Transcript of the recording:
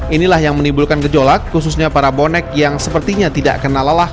inilah yang menibulkan gejolak khususnya para bonek yang sepertinya tidak kenalalah